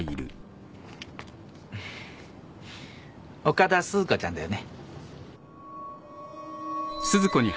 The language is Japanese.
岡田鈴子ちゃんだよね？